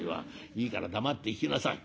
いいから黙って聞きなさい。